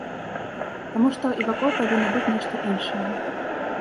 Таму што і вакол павінна быць нешта іншае.